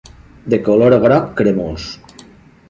De color groc cremós.